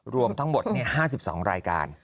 รวมทั้งหมด๕๒รายการ